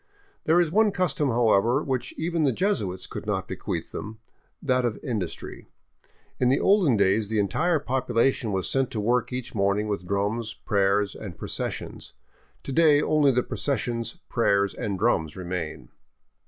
There is one custom, however, which even the Jesuits could not bequeath them, — that of industry. In the olden days the entire population was sent to work each morning with drums, prayers, and processions ; to day only the processions, prayers, and drums remain.